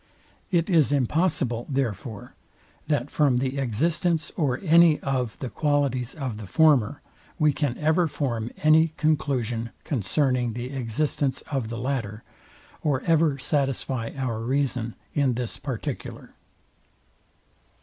It is impossible, therefore, that from the existence or any of the qualities of the former, we can ever form any conclusion concerning the existence of the latter, or ever satisfy our reason in this particular.